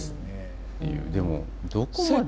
でもどこまで。